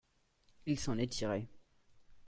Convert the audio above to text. il s'en est tiré.